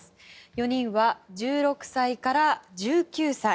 ４人は１６歳から１９歳。